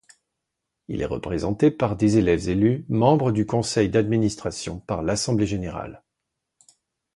Il est représenté par des élèves élus membres du Conseil d’administration par l’Assemblée générale.